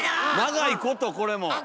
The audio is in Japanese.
長いことこれも！